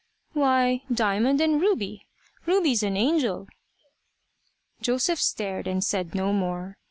"Why Diamond and Ruby. Ruby's an angel." Joseph stared and said no more.